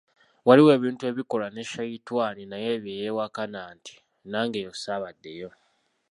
Waliwo ebintu ebikolwa ne Shaitwani naye bye yeewakana nti,"nange eyo ssaabaddeyo".